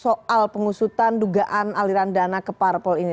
soal pengusutan dugaan aliran dana ke parpol ini